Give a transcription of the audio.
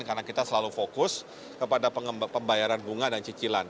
karena kita selalu fokus kepada pembayaran bunga dan cicilan